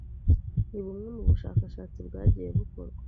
ni bumwe mu bushakashatsi bwagiye bukorwa,